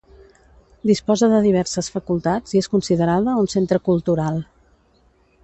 Disposa de diverses facultats i és considerada un centre cultural.